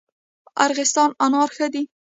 ارغستان انار ښه دي؟